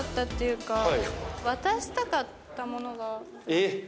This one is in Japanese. えっ？